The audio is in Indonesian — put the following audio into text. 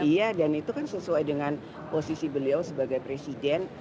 iya dan itu kan sesuai dengan posisi beliau sebagai presiden